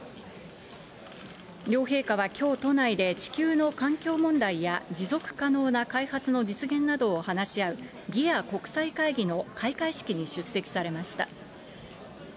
両陛下はきょう都内で地球の環境問題や持続可能な開発の実現などを話し合う、ギア国際会議の開会式に出席されました。